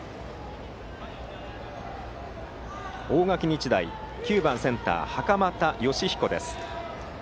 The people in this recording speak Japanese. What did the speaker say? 大垣日大９番センター、袴田好彦の打席。